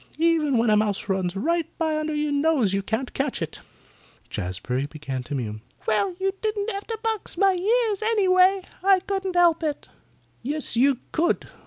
Even when a mouse runs right by under your nose you can't catch it." Jazbury began to mew. "Well, you don't have to box my ears, anyway. I couldn't help it." "Yes, you could.